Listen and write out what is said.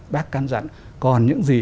bác căn dặn còn những gì